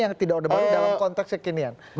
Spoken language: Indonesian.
yang tidak orde baru dalam konteks kekinian